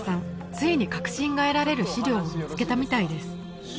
ついに核心が得られる資料を見つけたみたいです